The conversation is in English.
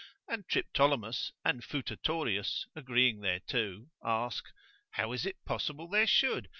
And Triptolemus and Phutatorius agreeing thereto, ask, How is it possible there should?